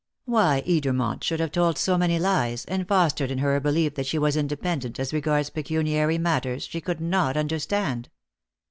Why Edermont should have told so many lies, and fostered in her a belief that she was independent as regards pecuniary matters, she could not understand.